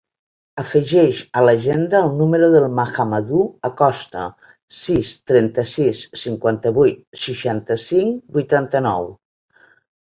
Afegeix a l'agenda el número del Mahamadou Acosta: sis, trenta-sis, cinquanta-vuit, seixanta-cinc, vuitanta-nou.